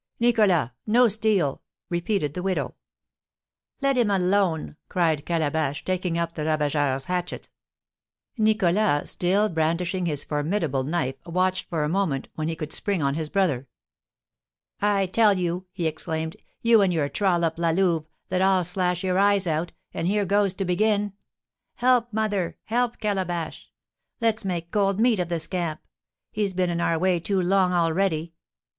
"Nicholas, no steel!" repeated the widow. "Let him alone!" cried Calabash, taking up the ravageur's hatchet. Nicholas, still brandishing his formidable knife, watched for a moment when he could spring on his brother. "I tell you," he exclaimed, "you and your trollop, La Louve, that I'll slash your eyes out; and here goes to begin! Help, mother! Help, Calabash! Let's make cold meat of the scamp; he's been in our way too long already!"